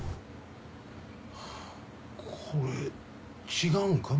これ違うんか？